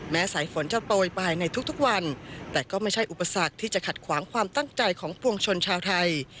สายฝนจะโตยไปในทุกวันแต่ก็ไม่ใช่อุปสรรคที่จะขัดขวางความตั้งใจของปวงชนชาวไทย